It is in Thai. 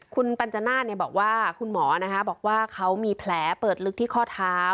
คุณปัญจนาฏบอกว่าคุณหมอบอกว่าเขามีแผลเปิดลึกที่ข้อเท้า